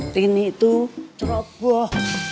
tini itu teroboh